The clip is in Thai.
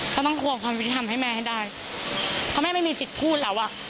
ก็ต้องควบความผิดทำให้แม่ให้ได้เพราะแม่ไม่มีสิทธิ์พูดแล้วอะ